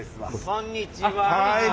こんにちは。